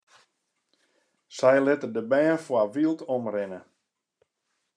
Sy litte de bern foar wyld omrinne.